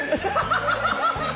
ハハハハハ！